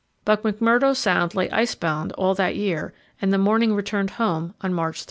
But McMurdo Sound lay icebound all that year, and the Morning returned home on March 3.